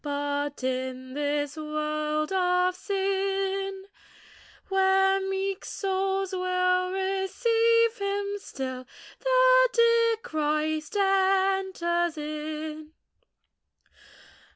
But in this world of sin, Where meek souls will receive Him still, The dear Christ enters in.